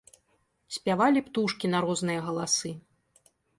Спявалі птушкі на розныя галасы.